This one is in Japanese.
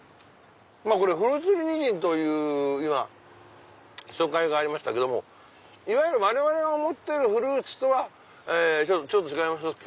フルーツ人参という紹介がありましたけどもいわゆる我々が思っているフルーツとは違いますね。